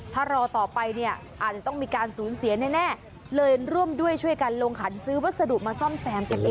ถ้ารอต่อไปเนี่ยอาจจะต้องมีการสูญเสียแน่เลยร่วมด้วยช่วยกันลงขันซื้อวัสดุมาซ่อมแซมกันเอง